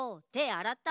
あらった？